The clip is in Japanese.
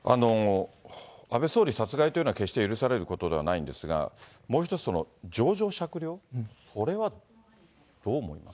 安倍総理殺害というのは、決して許されることではないんですが、もう１つ情状酌量、それはどう思います？